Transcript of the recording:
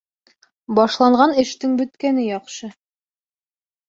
Башланған эштең бөткәне яҡшы.